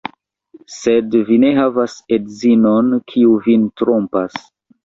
Sed vi ne havas edzinon, kiu vin trompas.